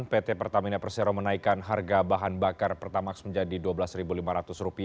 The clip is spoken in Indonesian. pt pertamina persero menaikkan harga bahan bakar pertamax menjadi rp dua belas lima ratus